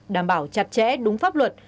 đảm bảo chặt chẽ đúng pháp luật